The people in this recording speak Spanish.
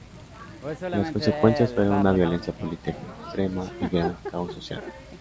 Las consecuencias fueron una violencia política extrema y gran caos social.